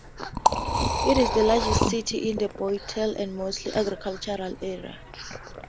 It is the largest city in the Bootheel, a mostly agricultural area.